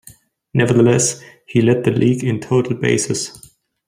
Nevertheless, he led the league in total bases.